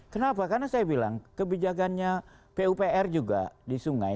kenapa karena saya bilang kebijakannya pupr juga di sungai